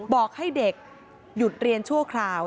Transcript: บอกให้เด็กหยุดเรียนชั่วคราว